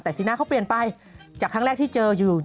แต่สีหน้าเขาเปลี่ยนไปจากครั้งแรกที่เจออยู่